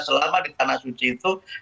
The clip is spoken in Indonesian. selama di tanah suci itu